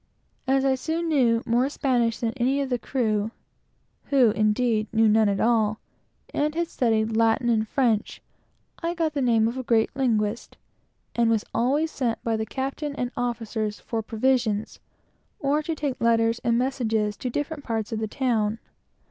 As I soon knew more Spanish than any of the crew, (who indeed knew none at all,) and had been at college and knew Latin, I got the name of a great linguist, and was always sent for by the captain and officers to get provisions, or to carry letters and messages to different parts of the town.